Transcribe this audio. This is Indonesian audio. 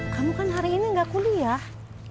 kamu kan hari ini gak kuliah